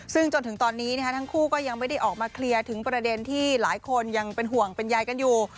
ซึ่งจนถึงตอนนี้ทั้งคู่ก็ยังไม่ได้ออกมาเคลียร์ถึงประเด็นที่หลายคนยังเป็นห่วงเป็นใยกันอยู่